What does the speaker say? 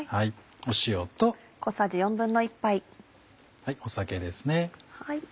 塩と酒ですね。